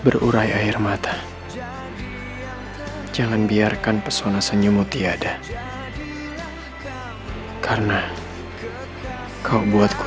tidak ada yang bisa kubuat lo